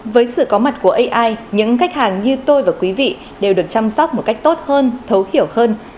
với sự có mặt của ai những khách hàng như tôi và quý vị đều được chăm sóc một cách tốt hơn thấu hiểu hơn